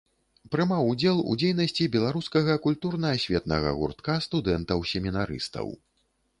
Прымаў удзел у дзейнасці беларускага культурна-асветнага гуртка студэнтаў-семінарыстаў.